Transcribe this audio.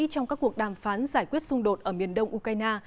trong các cuộc đàm phán giải quyết xung đột ở miền đông ukraine